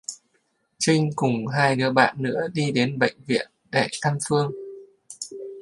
Trinh cùng hai đứa bạn nữa đi đến bệnh viện để thăm Phương